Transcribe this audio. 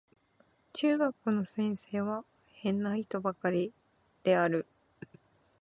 中学校の先生は変な人ばかりである